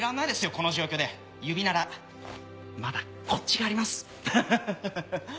この状況で指ならまだこっちがありますハハハハ！